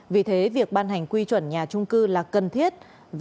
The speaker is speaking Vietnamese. vì thế việc ban hành quy chuẩn nhà trung cư là cần thiết